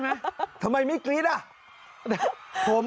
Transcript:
ไม่ได้ไปครับ